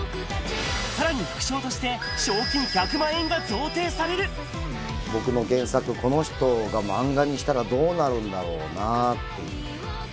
さらに副賞として、賞金１００万僕の原作、この人が漫画にしたらどうなるんだろうなっていう。